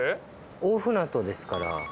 大船渡ですから。